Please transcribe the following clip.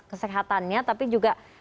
kesehatannya tapi juga